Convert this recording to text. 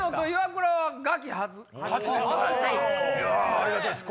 ありがたいです